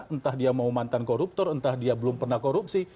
entah dia mau mantan koruptor entah dia belum pernah korupsi